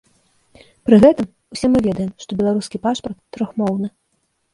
Пры гэтым, усе мы ведаем, што беларускі пашпарт трохмоўны.